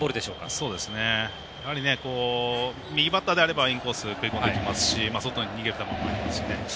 やはり、右バッターであればインコースに食い込んできますし外に逃げる球もありますね。